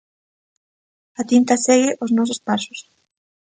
A tinta segue os nosos pasos.